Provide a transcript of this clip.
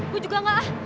gue juga enggak ah